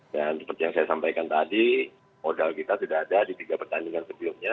dan seperti yang saya sampaikan tadi modal kita tidak ada di tiga pertandingan sebelumnya